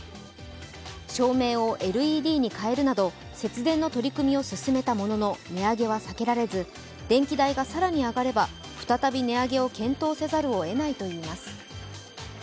照明をＬＥＤにかえるなど節電の取り組みを進めたものの、値上げは避けられず電気代が更に上がれば再び値上げを検討せざるをえないといいます。